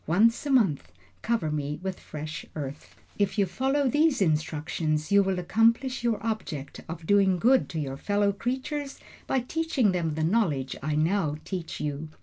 Once a month cover me with fresh earth. If you follow these my instructions you will accomplish your object of doing good to your fellow creatures by teaching them the knowledge I now teach you."